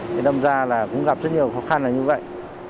thì đâm ra là cũng gặp rất nhiều khó khăn là như vậy